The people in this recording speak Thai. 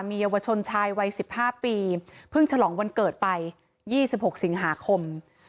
มีเยาวชนชายวัย๑๕ปีเพิ่งฉลองวันเกิดไป๒๖สิงหาคม